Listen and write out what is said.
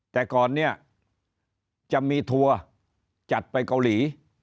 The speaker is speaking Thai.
แต่ก่อนเนี่ยจะมีทัวร์จัดไปเกาหลี